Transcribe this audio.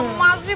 ya mak sih